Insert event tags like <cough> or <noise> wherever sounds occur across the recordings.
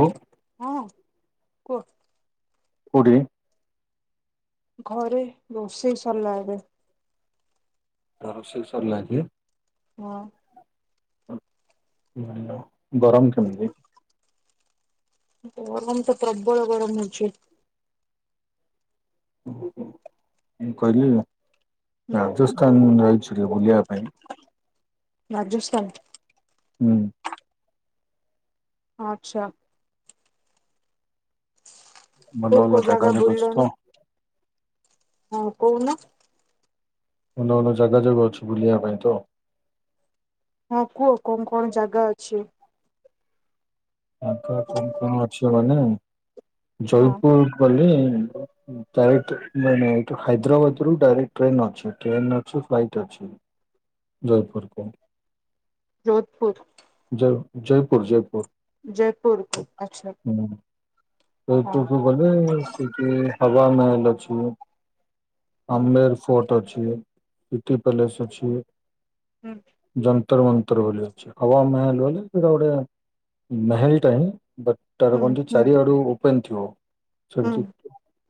ଓ ହଁ କୁଅ। କୋଉଠି? ଘରେ ରୋଷେଇ ସରିଲା ଏବେ। ତ ରୋଷେଇ ସରଲା କି? ହଁ। ଉଁ ଗରମ କେମିତି? ଗରମ ତ ପ୍ରବଳ ଗରମ ହଉଚି। ମୁଁ କହିଲି ରାଜସ୍ଥାନ ଯାଇଛ ଟି ବୁଲିବା ପାଇଁ? ରାଜସ୍ଥାନ। ହୁଁ। ଆଚ୍ଛା। ଭଲ କୋଉ ଭଲ କୋଉ ଜାଗା ଯାକ ଅଛି ତ ବୁଲିଲଣି? ହଁ କହୁନ। ଭଲ ଭଲ ଜାଗା ଜାଗ ଅଛି ବୁଲିବା ପାଇଁ ତ। ହଁ କୁହ କଣ କଣ ଜାଗା ଅଛି? ଆଙ୍କର କଣ କଣ ଅଛି ମାନେ ହଁ ଜୟପୁର ବୋଲି ଉଁ ଡାଇରେକ୍ଟ ମାନେ ଏଇଠୁ ହାଇଦ୍ରାବାଦରୁ ଡାଇରେକ୍ଟ ଟ୍ରେନ୍ ଅଛି, ଟ୍ରେନ ଅଛି ଫ୍ଲାଇଟ୍ ଅଛି। ଜୟପୁରକୁ। ଯୋଧପୁର। ଜୟ ଜୟପୁର ଜୟପୁର। ଜୟପୁର ଆଚ୍ଛା। ହୁଁ ସେଇଥୁକୁ ହଁ ଗଲେ ସେଠି ହାୱାମେହେଲ ଅଛି। ଆମେର ଫୋର୍ଟ ଅଛି। ସିଟି ପ୍ୟାଲେସ ଅଛି। ହୁଁ ଜନ୍ ତନ୍ତ୍ର ମନ୍ତ୍ରର ବୋଲି ଅଛି ଆଉ ଆମେ ହେଲୁ ବୋଲି ସେଟା ଗୋଟେ ମେହେଲଟା ହିଁ ବେ ହୁଁ ତାରକନ୍ତି ହୁଁ ଚାରିଆଡୁ ଓପେନ ଥିବ ହୁଁ ସେଠୀ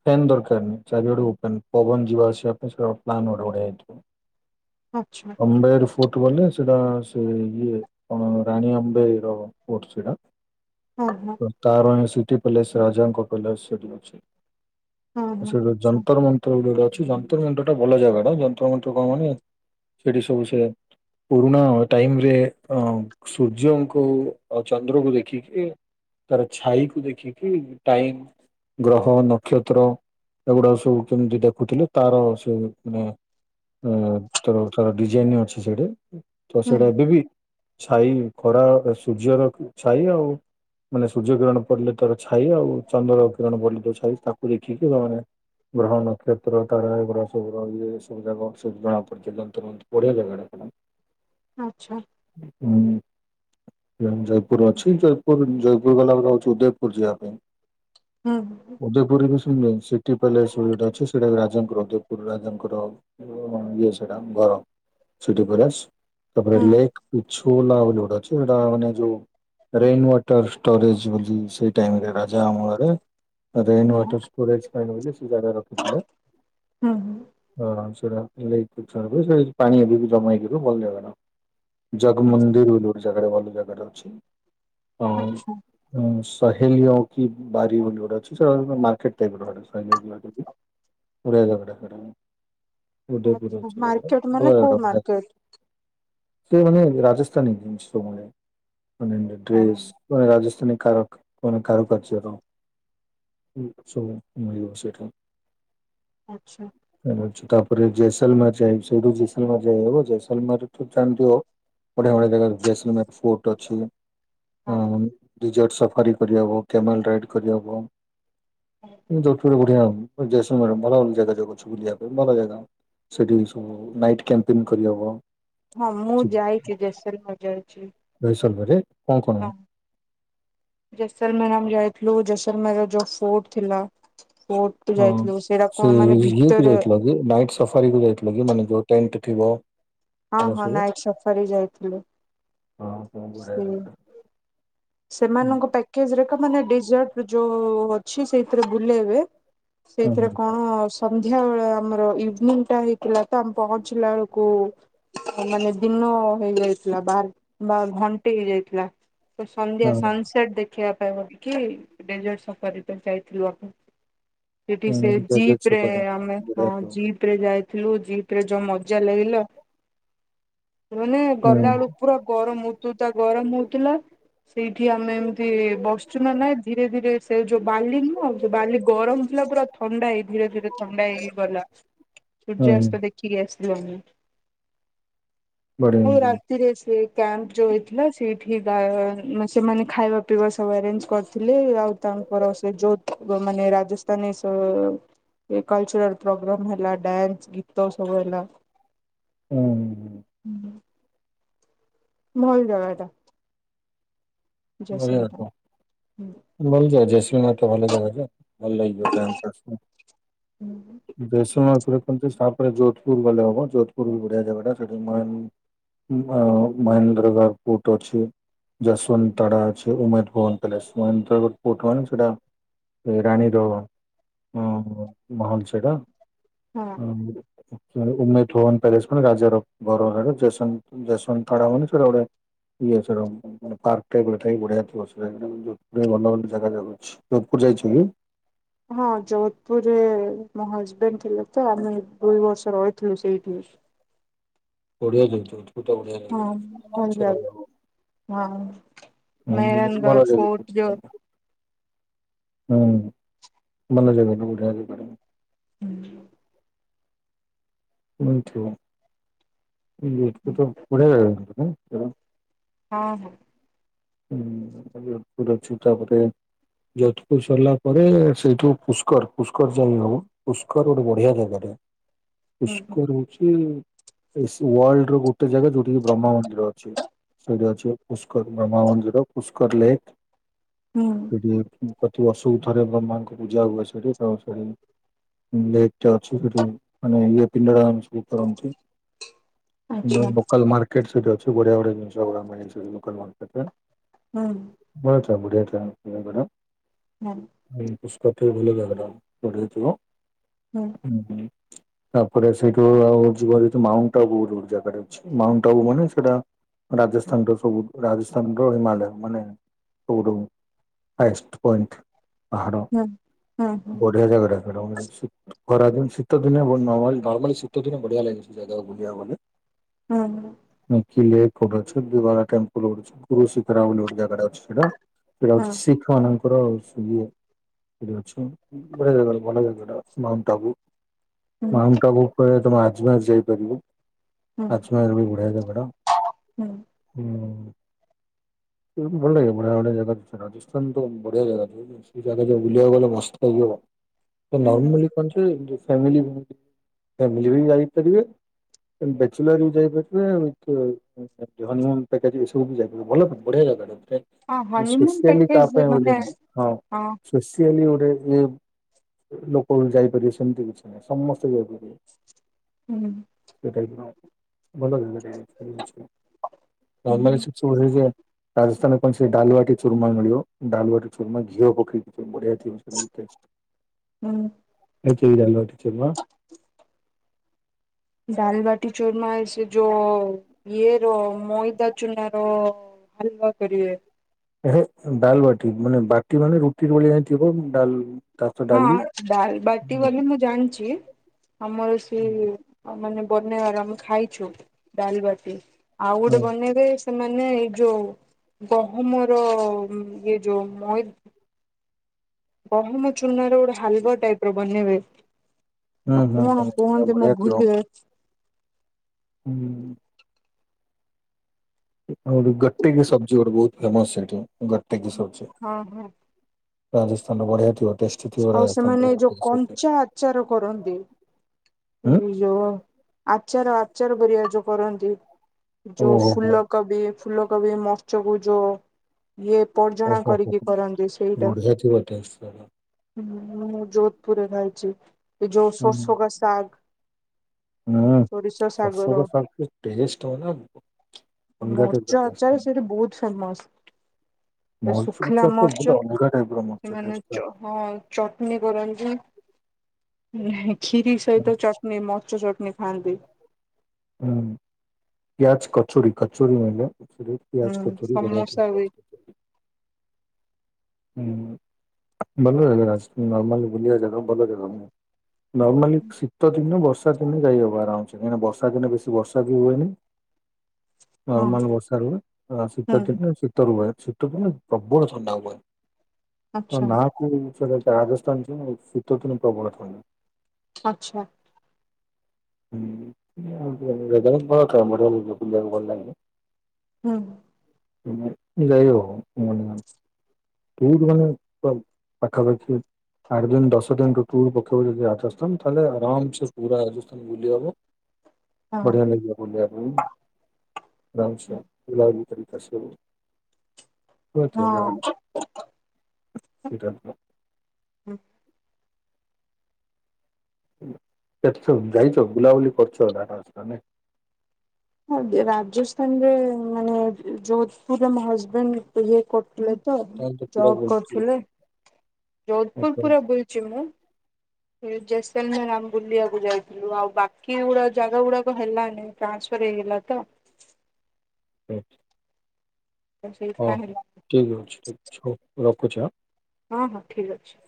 ଫ୍ୟାନ୍ ଦରକାରନି ଚାରିଆଟେ ଓପେନ୍ ପବନ ଯିବା ଆସିବା ପାଇଁ ସେ ପ୍ଲାନ୍ ଗୋରା ହେଇଥିବ। ଆଛା। ଅମ୍ବେର ଫୋର୍ଟ ଗଲେ ସେଟା ସେ ଇଏ କଣ ରାଣୀ ଅମ୍ବେର କୋଉଠି ସେଟା? ହଁ ହୁଁ। ତ ତାର ସିଟି ପ୍ୟାଲେସ୍ ରାଜାଙ୍କ ପ୍ୟାଲେସ ସେଠି ଅଛି ହଁ ହଁ ସେଠି ଆଛା ଯନ୍ତର ମନ୍ତ ତୋର ଯୋଉଟା ଅଛି ଯନ୍ତ୍ର ମନ୍ତ ଟା ଭଲ ଜାଗା ଟ ଯନ୍ତ୍ର ମନ୍ତ କଣ କହନି ମାନେ ସେଠି ସବୁ ସେ ପୁରୁଣା ଟାଇମ ରେ ଅ ସୂର୍ଯ୍ୟଙ୍କୁ ଓ ଚନ୍ଦ୍ରକୁ ଦେଖିକି ତାର ଛାଇ କୁ ଦେଖିକି ଟାଇମ ଗ୍ରହ ନକ୍ଷତ୍ର ଏଗୁଡା ସବୁ କେମିତି ଦେଖୁଥିଲେ ତାର ସେ ମାନେ ଆ ତୋର ତାର ଡିଜାଇନ ଅଛି ସେଇଟି ତ ହୁଁ ସେଇଟା ଏବେବି ଛାଇ ଖରା ସୂର୍ଯ୍ୟର ଛାଇ ଆଉ ମାନେ ସୂର୍ଯ୍ୟ କିରଣ ପଡିଲେ ତାର ଛାଇ ଆଉ ଚନ୍ଦ୍ର କିରଣ ବୋଲି ଛାଇ ତାକୁ ଦେଖିକିା ସେମାନେ ଗ୍ରହଣ କ୍ଷେତ୍ର ତାର ଏଗୁରା ସବୁ ରହିଲେ ଇଏ ସବୁ ଜାଗା ସବୁ ଜଣାପଡିଯିବ ଯନ୍ତନ୍ତ ବଡିଆ ଯାଗାଟା ସେଟା। ଆଛା। ହୁଁ ଜୟପୁର ଅଛି ଜୟପୁର ଜୟପୁର ଗଲାବେଳ ଅଛି ଉଦୟ ଜିବା ପାଇଁ ହୁଁ ହୁଁଁ। ଉଦୟପୁର ବି ସିଟି ପ୍ୟାଲେସ୍ଟା ଅଛି ସେଟା ରାଜାଙ୍କର ଉଦୟପୁର ରାଜାଙ୍କ ଇଏ ସେଟା ଘର ଷ୍ଟି ପରେଶ୍ ହୁଁ ଲେଟ୍। ଇଛୁ ବୋଲି ନା ହେଟା ମାନେ ଯୋଉ ରେନ୍ ୱାଟର ଷ୍ଟ ରେଜ୍ ବୋଲି ସେ ଟାଇମ ରେ ରାଯା ଅମଳରେ ରେନ ହୁଁ ୱର ଷ୍ଟରେଜ ପାଇନେ ବୋଲି ସେ ଜାଗାରଖିଥିଲେ। ହୁଁ ହୁଁ। ହଁ ସେଇଟା <inaudible> ସେ ପାଣି ଏ ବେବୀ ଜମା ହେଇକିବି ଭଲ ଜାଗାର ଆଚ୍ଛା ଜଗମନ୍ଦିର ବୋଲି ଗୋଟେ ଜାଗା ଭଲ ଜାଗାରେ ଅଛି ଆଛା। ହଁ। ହେଲିଅ କି ବାରି ବୋଲି ଗୋଟେ ଅଛି ସେ ମାର୍କେଟ୍ ଟାଇପ ଗଟେହେ ଵଡିଆ ଜାଗାଟା ସେଟା ଉଦୟ ଆଚ୍ଛା ଅଛି ତାପରେ ମାର୍କେଟ ମାନେ କୋଉ ବଡ ଭାଇ। ମାର୍କେଟ ସେ ମାନେ ରାଜସ୍ଥାନୀ ଜିନିଷ ତଳେ ମାନେ ହଁ ଡ୍ରେସ ରାଜସ୍ଥାନୀ କାରକ କଣ କାରୁକାର୍ଯ୍ୟର ସବୁ ମିଳିବ ସେଇଠୁ। ଆଛ। ଅ ତାପରେ ଜେସଲମାର ଯାଇ ସେଇଠୁ ଜେସଲମାର ଯାଇ ହବ ଜେସଲମାର ତୁ ଜାଣିଥିବ ବଢିଆ ବଢ଼ିଆ ଜାଗ ଜସମି ଫୋର୍ଟ ଅଛି। ହଁ ରଜର୍ଟ ସାଫାରୀ କରିହବ କେମଲଟା ରାଇଡ କରିହବ। ଯୋୁର ବଢିଆ ସମୟ ଭଲ ଭଲ ଜାଗା ଯାଉଛ ବଲି ପାଇଁ ଭଲ ଜାଗା ସେଇଠି ସବୁ ନାଇଟ୍ କ୍ୟାମ୍ପିଙ୍ଗ୍ କରିହେବ ହଁ ମୁଁ ଯାଇଛି ଜସର ମା ଯାଇଛି ବା ଆଏଇ ସମୟ ରେ ହଁ। <unintelligible> ଆମେ ଯାଇଥିଲୁ ଜସଲମେର ଯୋଉ ଫୋର୍ଟ ଥିଲା ଫୋର୍ଟ ହଁ। ଯାଇଥିଲୁ ସେଇଟା ସେ କଣ ମାନେ ଇଏ କୁ ଭିତରେ ଯାଇଥିଲ ନାଇଟ୍ ସଫାରୀ କୁ ଯାଇଥିଲ କି ମାନେ ଯୋଉ ଟେଣ୍ଟ ଥିବ। ହଁ ଏରା ହଁ ସବୁ। ନାୟକ ସଫର ଯାଇଥିଲୁ। <unintelligible> <unintelligible> <inaudible> ସେମାନଙ୍କ ପ୍ୟାକେଜ୍‌ ରେ ମାନେ ଡେଜର୍ଟ ଯୋଉ ଅଛି ସେଇଥିରେ ବୁଲେଇବେ ସେଇଥିରେ କଣ ଆଉସ୍ ସନ୍ଧ୍ୟା ବେଳେ ଆମର ଇଭିନିଂ ଟାଇମ୍ ହେଇଥିଲା ତ ଆମେ ପହଞ୍ଚିଲା ବେଳକୁ ମାନେ ଦିନ ହେଇଯାଇଥିଲା ବାର୍ ବା ଘଣ୍ଟେ ହେଇଯାଇଥିଲା ତ ସନ୍ଧ୍ୟା ହଁ ସନ୍ସେଟ ଦେ ଖିଆ ପିଆ କରିକି <unintelligible> ସେଠି ସେ ହୁଁ ଜେଜେ ଜିପ୍ ପ୍ରେ ଛକରେ ଆମେ ହଁ ବଢିଆ ଥିବ। ଜିପ୍ ଜିପ୍ ରେ ଯାଇଥିଲୁ ଜିପ୍ ରେ ଯୋଉ ମଜା ଲାଗିଲା ମାନେ ହୁଁ ଗଲା ବେଳକୁ ପୁରା ଗରମ୍ ଉଦୁଉଦା ଗରମ୍ ହୋଉଥିଲା। ସେଇଠି ଆମେ ଏମିତି ବସଛୁ ନା ନାଇଁ ଧୀରେ ଧୀରେ ସେ ଯୋଉ ବାଲି ନୁହଁ ଆଉ ଯୋଉ ବାଲି ଗରମ୍ ଥିଲା ପୁରା ଥଣ୍ଡା ହେଇ ଧୀରେ ଧୀରେ ଥଣ୍ଡା ହେଇ ହେଇ ଗଲା। <inaudible> ସୂର୍ଯ୍ୟା ଅସ୍ତ ଦେଖିକି ଆସିଲୁ ଆମେ ବଢିଆ ହୋଉ ହୁଁ ରାତିରେ ସେ କ୍ୟାମ୍ପ ଯୋଉ ହେଇଥିଲା ସେଇଠି ସେମାନେ ଖାଇବା ପିଇବା ସବୁ ଆରେଞ୍ଜ କରିଥିଲେ ଆଉ ତମେ ପୁରା ସୂର୍ଯ୍ୟ ଉଦୟ ରାଜସ୍ଥାନ ଏ କଲଚରାଲ୍ ପ୍ରୋଗ୍ରାମ୍ ହେଲା ଡ୍ୟାନ୍ସ ଗୀତ ସବୁ ହେଲା। ହୁଁ। ହୁଁ। ନାଇଁ ଅଲଗା କଥା। ବଢିଆ ଟା। ତ। ଭଲ ଯା ଜେସମିନା ତ ଭଲ ଜାଗାଜେ ଭଲ ଲାଗିବ ଟାଇମ ପାସ୍ ପାଇଁ। ଜେସିନୀ ତାପରେ ଯୋଧପୁର ଗଲେ ହବ ଯୋଧପୁର ବି ବଢିଆ ଜାଗା ଟା ସେଠି ନୂଆ ଅ ମହେନ୍ଦ୍ର ଗର ପୋର୍ଟ ଅଛି ଯଶବନ୍ତ ତ ଅଛି ଉମେଦ ଭବନ ପ୍ୟାଲେସ୍ ଉମେ ପୋର୍ଟ ମାନେ ସେଟା ରାଣୀର ଉଁ ହୁଁ <unintelligible> ଉମେଦ ହଁ। ଭବନ ପ୍ୟାଲେସ ମାନେ ରାଜାର ଘର ଜେଶ୍ବନ୍ତ୍ ଜେସନ୍ତଡା ମାନେ ସେଟା ଗୋଟେ <unintelligible> <unintelligible> ହଁ ଯୋଧପୁରରେ ମୋ ହଜବେଣ୍ଡ ଥିଲେ ତ ଆମେ ଦୁଇ ବର୍ଷ ରହିଥିଲୁ ସେଇଠି। ହଁ ଭଲ ଜାଗା <unintelligible> ହଁ ହୁଁ ମିଳେନି ବୋ ଭଲ ଜାଗା ସୁଟ୍ ଯୋ ହୁଁ ଭଲ ଜାଗା। <unintelligible> ହୁଁ। ମିଠୁ। <unintelligible> ବଢିଆ ଜାଗାଟା ନା ହଁ ହଁ। ହୁଁ ପୁରା ଛୋଟା ଫୋଟା। ଯୋଧପୁର ସରିଲା ପରେ ସେଇଠୁ ପୁଷ୍କର ପୁଷ୍କର ଯାଇ ହବ। ପୁଷ୍କର ଗୋଟେ ବଢ଼ିଆ ଜାଗାଟେ ହୁଁ ପୁଷ୍କର ହୋଉଚି ଏ ସି ୱାର୍ଲଡ ର ଗୋଟେ ଜାଗା ଯୋଉଠିି ବ୍ରହ୍ମା ମନ୍ଦିର ଅଛି ସେଇଠି ଅଛି ପୁଷ୍କରି। ବ୍ରହ୍ମା ମନ୍ଦିର ପୁଷ୍କର୍ ଲେକ୍। ହୁଁ। ସେଠି ପ୍ରତି ବର୍ଷକୁ ଥରେ ବ୍ରହ୍ମାଙ୍କ ପୂଜା ହୁଏ ସେଠି ଦଶରେ ଲେଟେ ଟା ଅଛି ସେଠି ମାନେ ଇଏ ପିଲା ଆମେ ସବୁ କରନ୍ତି ବହୁ ଆଚ୍ଛା ଲୋକାଲ ମାର୍କେ ସଇଟି ସେଇଟି ଅଛି ବଢିଆ ବଢିଆ ଜିନିଷ ସବୁ ଲୋକାଲ ମାର୍କେଟରେ। ହୁଁ। <inaudible> ହୁଁ। ହଁ ପୁଷ୍କର ଟେ ଭଲ ଜାଗାଟେ ବଢିଆ ଥିବ। ହୁଁ। ହୁଁ ହୁଁ। ତାପରେ ସେଇଠୁ ଆଉ ଯିବା ମାଉଣ୍ଟ ଆବୁ ବୋଲି ଗୋଟେ ଜାଗାରେ ଅଛି ମାଉଣ୍ଟ ଆବୁ ମାନେ ସେଇଟା ରାଜସ୍ଥାନ ର ସବୁ ରାଜ ସମ୍ରୋ ହି ମାଳୟ ମାନେ ଟୁଡ଼ୁ ହାଇଏଷ୍ଟେ ପଏଣ୍ଟେ। ପାହାଡ଼ ବଢିଆ ଜାଗାଟା ଡାଉନୁରେ ଅଛି। ଖଦିନ ଶୀତ ଦିନେ ନର୍ମୀ ଶୀତ ଦିନେ ବଢିଆ ଲାଗେ ସେ ଜାଗାକୁ ବୁଲିବାକୁ ଗଲେ। ହୁଁ ହୁଁ। ମି ଲେକ୍ ଗୋଟେ ଅଛି ବିରଳା ଟେମ୍ପୁଲ ଆଛି ଗୁରୁ ଶିଖରା ବୋଲିଗୋଟେ ଜାଗାଟେ ଅଛି ସେଠି। ସେଟା ଶିଖ ମାନଙ୍କର ଆଉ ସବୁ ସେଇଟି ଅଛି ବଢିଆ ଜାଗା ଭଲ ଜାଗାଟା ମାଉଣ୍ଟୁ ଆବୁ। ମାଉଣ୍ଟୁ ଆବୁ କହିଲେ ତମେ ଆଜମେର ଯାଇପାରିବ ଆଛା। <inaudible> ଦୁରୁକୁ ଭଲଲାଗେ ବଢିଆ ବଢିଆ ଜାଗା ସେରା। ପାକିସ୍ତାନ ତ ବଢିଆ ଜାଗା ସେ ଜାଗା ଯେ ବୁଲିବାକୁ ଗଲେ ମସ୍ତ ହେଇଯିବତ ନର୍ମାଲି ପଛେ ଯେ ଫାମିଲୀ ଫାମିଲୀବି ଯାଇପାରିବେ। ବ୍ୟାଚଲର ବି ଯାଇପାରିବେ ଏଥିରେ ହନୀମୁନୁ ପ୍ୟାକେଜ୍ ଏସବୁ ଯାଇପାରିବେ। ଭଲତ ବଢିଆ ଜାଗାଟା ମୁଁ ସ୍ପେଶିଆଲି କା ପାଇଁ ଓରି ନୁ ହେଁ। ସ୍ପେସ୍ୟଲି ଗୋଟେ ଇଏ ଲୋକ ବି ଯାଇପାରିବେ ସେମିତି କିଛି ନାହିଁ ସମସ୍ତେ ଯାଇପାରିବେ। ହୁଁ। ଭଲ ଅଛୁ? ସିଘ୍ର ଯା। ରାଜସ୍ଥାନ କଣ ସେ ଡାଲବାଟି ଚୁର୍ମା ମିଳିବ ଡାଲବାଟି ଚୁମା ଘିଅ ପକେଇକି ବଢିଆ ଥିବ ସେଥିରେ। ରିକ୍ୱେଷ୍ଟେ। ହୁଁ। ଖେଚଡି ଡାଲବାଟି ଚୁର୍ମା। ଡାଲ ବାଟି ଚୂରୁମା ସେ ଯୋ ଇଏ ର ମଇଦା ଚୁନାର। ହାଲୋ କରିବେ। ଏହେ ଡାଲ୍ ବାଟି ମାନେ ବାଟି ମାନେ ରୁଟିର ଭଳିଆ ଥିବ ଡାଲ ତା ସହିତ ହଁ ଡାଲି ଡାଲ ବାଟି ବୋଲି ହୁଁ ମୁଁ ଜାଣିଛି ଆମର ସିଏ ମାନେ ବନେଇବାର ଆମେ ଖାଇଛୁ ଡାଲ ବାଟି ଆଉ ଗୋଟେ ହୁଁ ବନେଇବେ ସେମାନେ ଏଇ ଯୋଉ ଗହମର ଇଏ ଯୋଉ ମଇ ଗହମ ଚୁନ ର ଗୋଟେ ହାଲବା ଟାଇପ ର ବନେଇବେ <unintelligible> ହୁଁ କଣ ହୁଁ ଏ କୁହନ୍ତି ମୁଁ ବଢିଆ ଭୁଲି ହୁଁଁ। ଆଉ <unintelligible> ସବଜି ଗୋଟେ ବହୁତ ଫେମସ ସେଇଠି <unintelligible> ହଁ ହଁ। ରାଜସ୍ଥାନ ର ବଢଆ ଥିବା ଟେଷ୍ଟ ଥିବ ଆଉ ସେମାନେ ଯୋଉ କଞ୍ଚା ଆଚାର କରନ୍ତି ହୁଁ ଏଇ ଯୋଉ ଆଚାର ଆଚାର ପରଆ ଯୋଉ କରନ୍ତି। ଯୋଉ ଓହୋ ହୋ ଫୁଲକୋବି ଫୁଲକୋବି <unintelligible> ଇଏ ପର୍ଜଣା ଓହୋ ହୋ କରିକି ହୋ କରନ୍ତି ସେଇଟା ବଢିଆ ଥିବ ଟେଷ୍ଟ ତାର। ହୁଁଁ ମୁଁ ଯୋଧପୁରରେ ଖାଇଛି ଏ ଯୋ ସୋରଷଗା ଶାଗ ସୋରିଷ ଶାଗର ହୁଁ <unintelligible> ଟେଷ୍ଟ ଅଲଗା ଟାଇପ୍ ର ମୋର୍ଚ ଟେଷ୍ଟ। ଆଚାର ସେଠି ବହୁତ ଫେମସ ମରିଚ ଶୁଖିଲା ଗୁଚା ତ ଗୋଟେ ଅଲଗା ଟାଇପ୍ ର ମରିଚ ଟେଷ୍ଟ ଥାଏ। <unintelligible> ହଁ ଚଟନ କରନ୍ତି କ୍ଷୀରି ସହିତ ଚଟନି ମୋଚ ଚଟଣି ଖାଆନ୍ତି। ହୁଁ ପ୍ୟାଜ୍ କଚୁରି କଚୁରି ମଲେ କଚୁରୀ ପଆଜ୍ ହୁଁ କଚୁରି ବଢ଼ିଆ ସମୋସା ବି ଲାଗେ ହୁଁ ଭଲ ଭଲ ଜାଗା ଅଛି ନର୍ମଲି ବୁଲିବା ଜାଗା <unintelligible> ନର୍ମାଲି ଶୀତ ଦିନ ବର୍ଷା ଦିନେ ଯାଈହବ ବା କାହିଁକି ବର୍ଷା ଦିନ ବେଶୀ ବର୍ଷା ବି ହୁଏନି। ହଁ ନର୍ମାଲ ବର୍ଷା ରୁହେ ଶୀତ ହୁଁ ଦିନେ ଶୀତ ରୁହେ ଶୀତ ଦିନେ ପ୍ରବଳ ଥଣ୍ଡା ହୁଏ। ଆଚ୍ଛା ନା କ ରାଜସ୍ଥାନ ଶୀତ ଦିନ ପ୍ରବଳ <unintelligible> ଆଚ୍ଛା। <unintelligible> ବଢ଼ିଆ ବୁଲିବାକୁ ଭଲ ଲାଗେ। ହୁଁ। ଯାଇ ହବ। କୋଉଠୁ ମାନେ ପଖାପାଖି ଆଠ ଦିନ ଦଶ ଦିନ ଟ ପକେଇବ ଯଦି ରାଜସ୍ଥାନ ତାହଲେ ଆରାମ ସେ ପୁରା ରାଜସ୍ଥାନ ବୁଲି ହଁ। ବଢିଆ ଲାଗିବ। ବୁଲିବା ପାଇଁ <unintelligible> <unintelligible> ହଁ <unintelligible> <unintelligible> ଯାଇଛ ବୁଲାବୁଲି କରୁଛ <unintelligible> ରାଜସ୍ଥାନରେ ମାନେ ଯୋଧପୁରରେ ହଜବେଣ୍ଡ ଇଏ <unintelligible> ଥିଲେ ତ ତାହେଲେ ପୁରା ଜବ ବୁଲିଥିବ। କରୁଥିଲେ ହଁ ଯୋଧପୁର ପୁରା ବୁଲଛି ମୁଁ। ଜେସେଲ ମେରାମ ବୁଲିବାକୁ ଯାଇଥିଲୁ ଆଉ ବାକି ଗୁଡା ଜାଗା ଗୁଡାକ ହେଲାନି। ଟ୍ରାନ୍ସଫର୍ ହେଇଗଲା ତ। ହୁଁ। ହଁ ସେଇଥିପାଇଁ ହଁ ହେଲା ଠିକ୍ ଅଛି ଠିକ୍ ଅଛି ହଉ ରଖୁଛି ଆଁ। ହଁ ହଁ ଠିକ୍ ଅଛି।